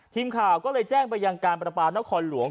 ทีมข่าวก็เลยแจ้งไปยังการประปานครหลวง